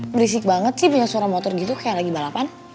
berisik banget sih punya suara motor gitu kayak lagi balapan